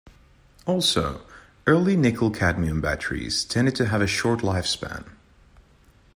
Also, early NiCad batteries tended to have a short lifespan.